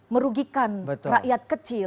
merugikan rakyat kecil